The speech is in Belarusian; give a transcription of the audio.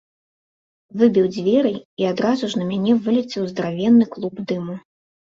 Выбіў дзверы, і адразу ж на мяне вылецеў здаравенны клуб дыму.